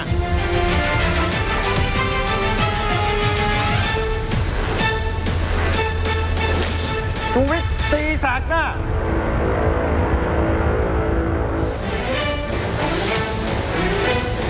ตีสากหน้า